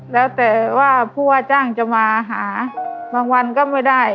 แล้วแต่ว่าผู้ว่าจ้างจะมาหาบางวันก็ไม่ได้